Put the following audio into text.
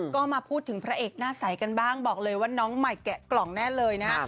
ก็มาพูดถึงพระเอกหน้าใสกันบ้างบอกเลยว่าน้องใหม่แกะกล่องแน่เลยนะ